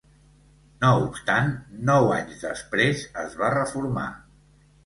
No obstant, nou anys després es va reformar.